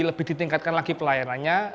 lebih ditingkatkan lagi pelayanannya